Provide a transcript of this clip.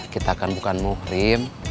kita kan bukan muhrim